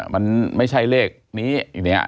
มันไม่ใช่เลขนี้อย่างนี้